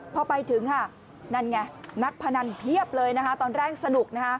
พอไปถึงนั่นไงนักพนันเพียบเลยตอนแรกสนุก